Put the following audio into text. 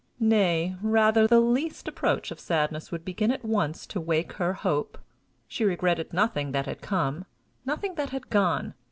Nay, rather, the least approach of sadness would begin at once to wake her hope. She regretted nothing that had come, nothing that had gone.